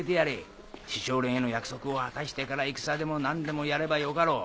師匠連への約束を果たしてから戦でも何でもやればよかろう。